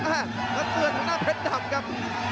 และเตือนข้างหน้าเพชรดำครับ